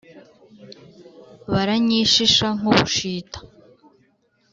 baranyishisha nk'ubushita